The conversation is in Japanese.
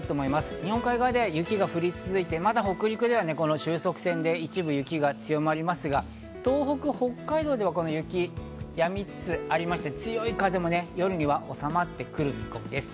日本海側では雪が降り続いて、まだ北陸ではこの収束線で一部、雪が強まりますが、東北、北海道ではこの雪、やみつつありまして強い風も夜にはおさまってくる見込みです。